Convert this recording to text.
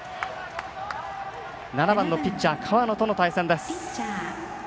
７番のピッチャー河野との対戦。